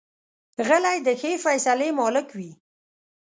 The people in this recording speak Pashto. غلی، د ښې فیصلې مالک وي.